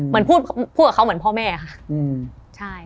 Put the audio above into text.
เหมือนพูดกับเขาเหมือนพ่อแม่ค่ะ